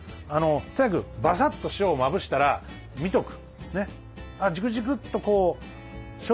とにかくバサッと塩をまぶしたら見とく。